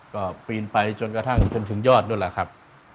ก็ปีนไปจนกระทั่งจนถึงยอดนู่นแหละครับ